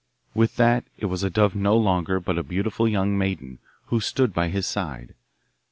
With that it was a dove no longer, but a beautiful young maiden, who stood by his side.